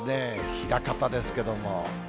枚方ですけれども。